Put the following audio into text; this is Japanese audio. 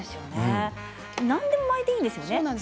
何でも巻いていいんですよね。